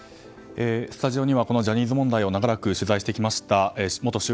スタジオにはジャニーズ問題を長らく取材されてきました